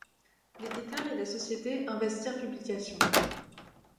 L'éditeur est la société Investir Publications.